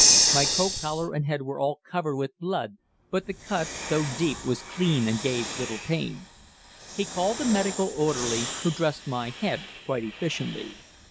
My coat collar and head were all covered with blood, but the cut, though deep, was clean and gave little pain. He called a medical orderly, who dressed my head quite efficiently.